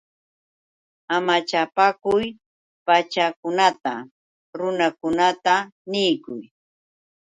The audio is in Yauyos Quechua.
¡Amachapaakuy Pachamamata! Runakunata niykuy.